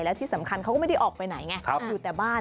และที่สำคัญเขาก็ไม่ได้ออกไปไหนไงอยู่แต่บ้าน